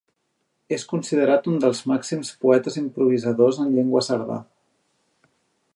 És considerat un dels màxims poetes improvisadors en llengua sarda.